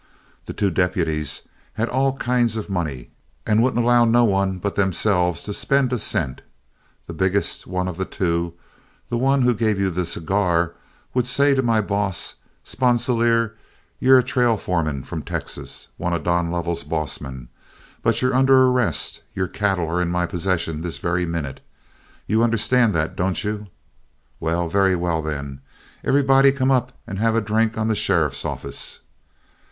The two deputies had all kinds of money, and wouldn't allow no one but themselves to spend a cent. The biggest one of the two the one who gave you the cigar would say to my boss: 'Sponsilier, you're a trail foreman from Texas one of Don Lovell's boss men but you're under arrest; your cattle are in my possession this very minute. You understand that, don't you? Very well, then; everybody come up and have a drink on the sheriff's office.'